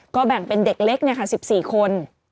ก็แบ่งเป็นเด็กเล็ก๑๔คน